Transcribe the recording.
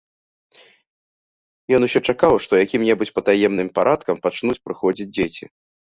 Ён усё чакаў, што якім-небудзь патаемным парадкам пачнуць прыходзіць дзеці.